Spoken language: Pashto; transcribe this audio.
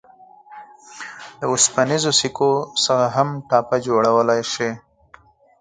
د اوسپنیزو سکو څخه هم ټاپه جوړولای شئ.